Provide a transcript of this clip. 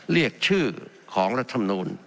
เรียกชื่อของรัฐมนูล